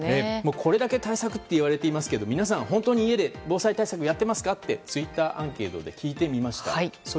これだけ対策といわれていますが皆さん、本当に家で防災対策をやってますか？とツイッターアンケートで聞いてみました。